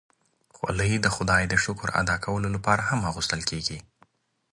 خولۍ د خدای شکر ادا کولو لپاره هم اغوستل کېږي.